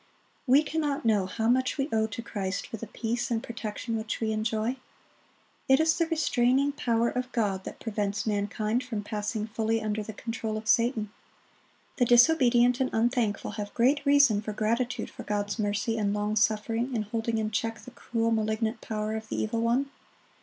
We cannot know how much we owe to Christ for the peace and protection which we enjoy. It is the restraining power of God that prevents mankind from passing fully under the control of Satan. The disobedient and unthankful have great reason for gratitude for God's mercy and long suffering in holding in check the cruel, malignant power of the evil one.